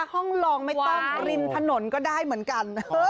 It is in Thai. ห้องลองไม่ต้องริมถนนก็ได้เหมือนกัน